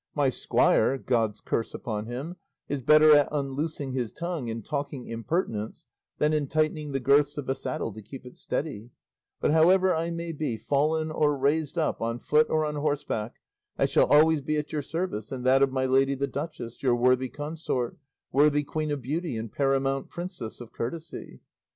My squire, God's curse upon him, is better at unloosing his tongue in talking impertinence than in tightening the girths of a saddle to keep it steady; but however I may be, fallen or raised up, on foot or on horseback, I shall always be at your service and that of my lady the duchess, your worthy consort, worthy queen of beauty and paramount princess of courtesy."